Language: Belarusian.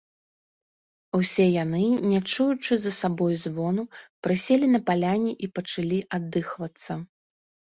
Усе яны, не чуючы за сабой звону, прыселі на паляне і пачалі аддыхвацца.